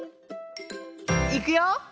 いくよ！